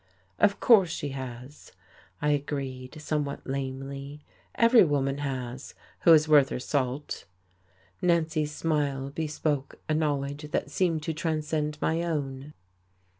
"Of course she has," I agreed, somewhat lamely. "Every woman has, who is worth her salt." Nancy's smile bespoke a knowledge that seemed to transcend my own.